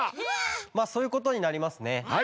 まあそういうことになりますね。